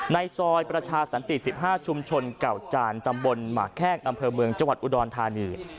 ในซอยประชาสันติ๑๕ชุมชนเก่าจานตำบลหมากแข้งอำเภอเมืองจังหวัดอุดรธานี